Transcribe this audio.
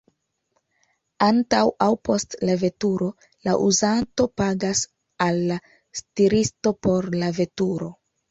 Antaŭ aŭ post la veturo la uzanto pagas al la stiristo por la veturo.